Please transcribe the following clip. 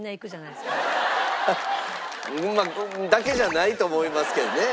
まあだけじゃないと思いますけどね。